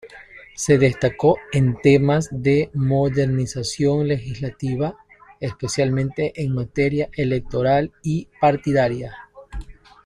Se destacó en temas de modernización legislativa, especialmente en materia electoral y partidaria.